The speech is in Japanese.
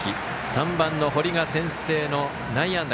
３番の堀が先制の内野安打。